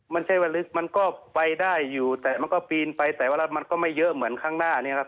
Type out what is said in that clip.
มันใช่ว่าลึกมันก็ไปได้อยู่แต่มันก็ปีนไปแต่ว่ามันก็ไม่เยอะเหมือนข้างหน้านี้ครับ